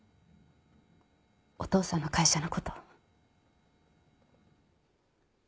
お父さんの会社の事。